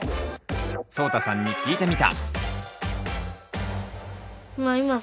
そうたさんに聞いてみた。